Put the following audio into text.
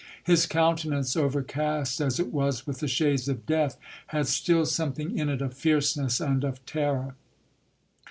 His countenance, overcast as it was with the shades of death, had still something in it of fierceness and of terror.